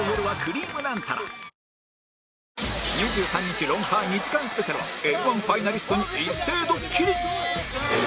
２３日『ロンハー』２時間スペシャルは Ｍ−１ ファイナリストに一斉ドッキリ！